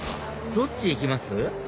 どっちへ行きます？